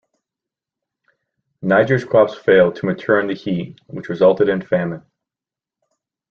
Niger's crops failed to mature in the heat which resulted in famine.